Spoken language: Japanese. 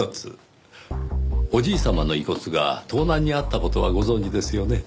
おじい様の遺骨が盗難に遭った事はご存じですよね？